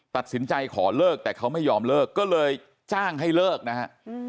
ตัดสินใจขอเลิกแต่เขาไม่ยอมเลิกก็เลยจ้างให้เลิกนะฮะ